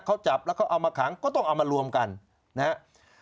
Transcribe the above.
เขาจับแล้วเขาเอามาขังก็ต้องเอามารวมกันนะครับ